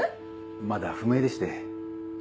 まだ不明でして。